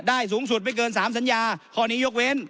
สูงสุดไม่เกิน๓สัญญาข้อนี้ยกเว้น